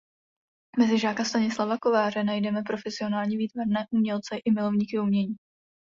Mezi žáky Stanislava Kováře najdeme profesionální výtvarné umělce i milovníky umění.